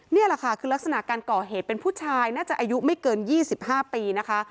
นี่แหละค่ะคือลักษณะการก่อเหตุเป็นผู้ชายน่าจะอายุไม่เกิน๒๕ปีนะคะ